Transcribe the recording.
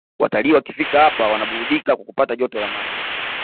Watalii wakifika hapa wanaburudika kwa kupata joto la maji